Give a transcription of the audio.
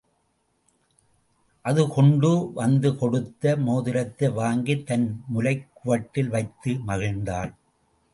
அதுகொண்டு வந்துகொடுத்த மோதிரத்தை வாங்கித் தன் முலைக் குவட்டில் வைத்து, மகிழ்ந்தாள்.